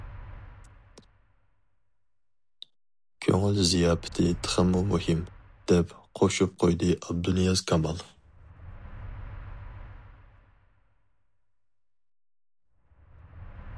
- كۆڭۈل زىياپىتى تېخىمۇ مۇھىم،- دەپ قوشۇپ قويدى ئابدۇنىياز كامال.